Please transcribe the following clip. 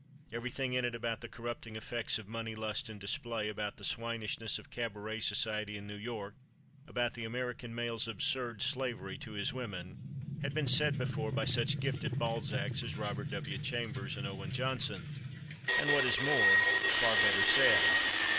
Everything in it—about the corrupting effects of money lust and display, about the swinishness of cabaret "society" in New York, about the American male's absurd slavery to his women—had been said before by such gifted Balzacs as Robert W. Chambers and Owen Johnson, and, what is more, far better said.